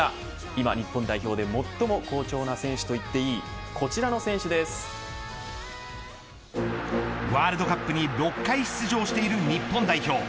今、日本代表で最も好調な選手といってもいいワールドカップに６回出場している日本代表。